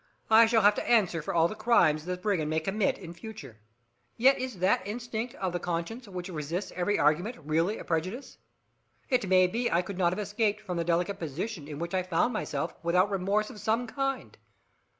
"I shall have to answer for all the crimes this brigand may commit in future." Yet is that instinct of the conscience which resists every argument really a prejudice? It may be I could not have escaped from the delicate position in which I found myself without remorse of some kind.